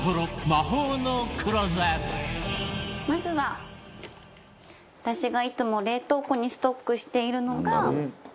まずは私がいつも冷凍庫にストックしているのが。